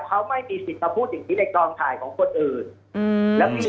เขาไม่มีสิทธิ์ก็พูดอย่างนี้ในกล้องถ่ายของคนอื่น